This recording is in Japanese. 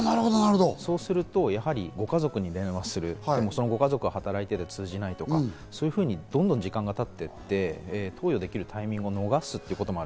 そうすると、ご家族に電話する、ご家族が働いていて電話が通じないとか、そういうふうにどんどん時間が経っていって投与できるタイミングを逃すこともある。